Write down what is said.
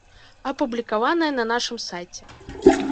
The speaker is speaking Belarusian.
Апублікаванае на нашым сайце.